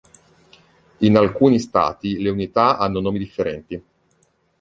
In alcuni stati le unità hanno nomi differenti.